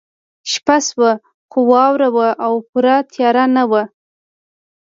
شپه شوه خو واوره وه او پوره تیاره نه وه